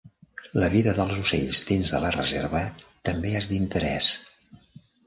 La vida dels ocells dins de la reserva també és d'interès.